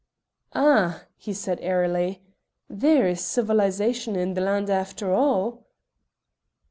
"Ah!" he said airily, "there is civilisation in the land after all."